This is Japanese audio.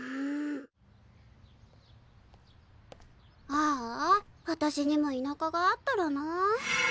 あああたしにも田舎があったらなあ。